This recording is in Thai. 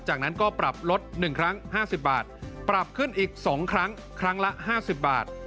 จากนั้นก็ปรับลด๑ครั้ง๕๐บาทปรับขึ้นอีก๒ครั้งครั้งละ๕๐บาท